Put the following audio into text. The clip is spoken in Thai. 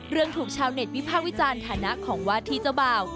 เรื่องถูกชาวเน็ตวิภาควิจารณ์ฐานะของวาที่เจ้าเบา